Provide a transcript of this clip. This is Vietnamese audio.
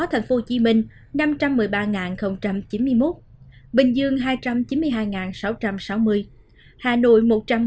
tp hcm năm trăm một mươi ba chín mươi một bình dương hai trăm chín mươi hai sáu trăm sáu mươi hà nội một trăm một mươi bảy hai trăm sáu mươi tám